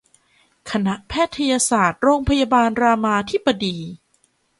คณะแพทยศาสตร์โรงพยาบาลรามาธิบดี